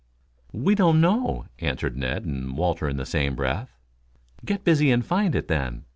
"We don't know," answered Ned and Walter in the same breath. "Get busy and find it, then.